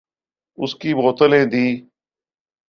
لسی کی بوتلیں دی ۔